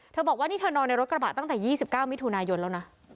บอกว่านี่เธอนอนในรถกระบะตั้งแต่๒๙มิถุนายนแล้วนะ